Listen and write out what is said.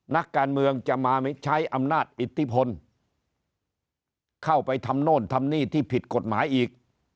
นักการเมืองจะมาใช้อำนาจอิทธิพลเข้าไปทำโน่นทำนี่ที่ผิดกฎหมายอีก